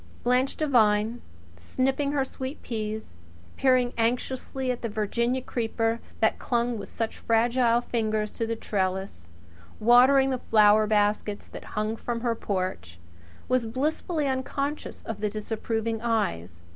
Blanche Devine snipping her sweet peas; peering anxiously at the Virginia creeper that clung with such fragile fingers to the trellis; watering the flower baskets that hung from her porch was blissfully unconscious of the disapproving eyes.